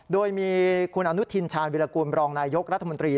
โดยมีคุณอนุทินชาญวิรากูลบรองนายยกรัฐมนตรี